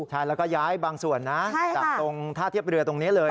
ใช่แล้วก็ย้ายบางส่วนนะจากตรงท่าเทียบเรือตรงนี้เลย